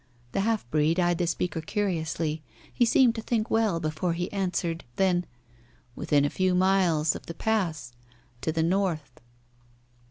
The half breed eyed the speaker curiously. He seemed to think well before he answered. Then "Within a few miles of the Pass. To the north."